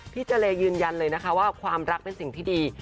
เจรยืนยันเลยนะคะว่าความรักเป็นสิ่งที่ดี